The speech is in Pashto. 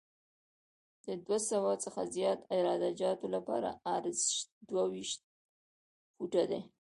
د دوه سوه څخه زیات عراده جاتو لپاره عرض دوه ویشت فوټه دی